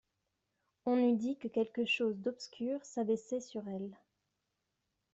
On eût dit que quelque chose d'obscur s'abaissait sur elle.